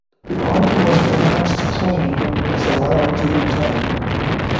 The army was pronounced clean and was allowed to return.